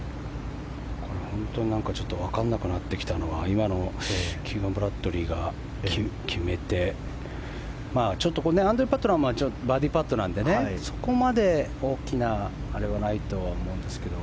本当にわからなくなってきたのは今のキーガン・ブラッドリーが決めてアンドルー・パットナムはバーディーパットなのでそこまで大きなあれはないと思うんですけど。